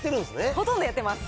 ほとんどやってます。